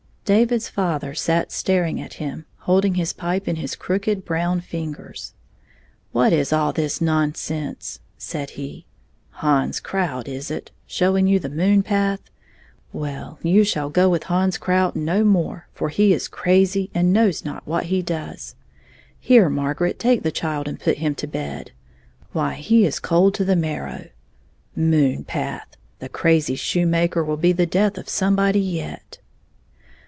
David's father sat staring at him, holding hia pipe in his crooked brown fingers. " What is all this nonsense?" said he. "Hans Krout, is iti — showing you the moon path? Well, you shall go with Hans Krout no more, for he is crazy and knows not what he does. Here, Margaret, take the child and put him to bed. Why, he is cold to the marrow! Moon path! The crazy shoe maker will be the death of somebody yet